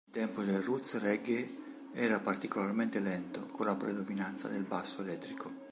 Il tempo del Roots reggae era particolarmente lento, con la predominanza del basso elettrico.